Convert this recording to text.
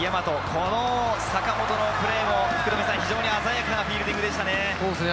この坂本のプレーも鮮やかなフィールディングでしたね。